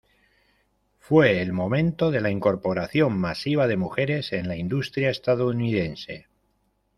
Fue el momento de la incorporación masiva de mujeres en la industria estadounidense.